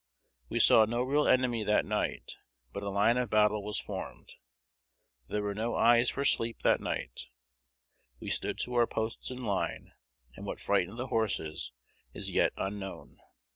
We saw no real enemy that night, but a line of battle was formed. There were no eyes for sleep that night: we stood to our posts in line; and what frightened the horses is yet unknown."